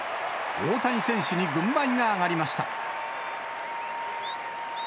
大谷選手に軍配が上がりました。